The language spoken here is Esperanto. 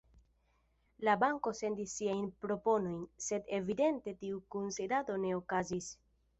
La banko sendis siajn proponojn, sed evidente tiu kunsidado ne okazis.